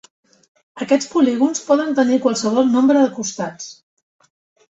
Aquests polígons poden tenir qualsevol nombre de costats.